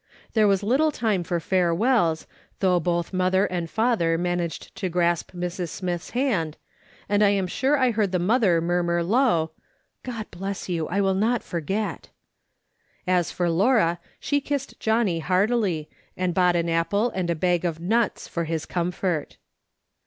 There was little time for farewells, though both mother and father managed to grasp Mrs. Smith's hand, and I am sure I heard the mother murmur low : "God bless you ; I'll not forget." As for Laura, she kissed Johnny heartily, and bought an apple and a bag of nuts for his comfort.